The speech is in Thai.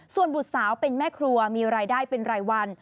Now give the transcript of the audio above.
ส่วนบุตรสาวเป็นแม่ครัวมีรายได้เป็นรายวัน